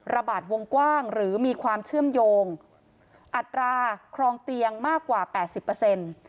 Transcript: วงกว้างหรือมีความเชื่อมโยงอัตราครองเตียงมากกว่าแปดสิบเปอร์เซ็นต์